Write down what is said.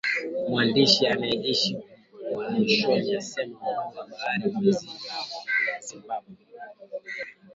Mwandishi anayeishi uhamishoni asema uhuru wa habari umezidi kudidimia Zimbabwe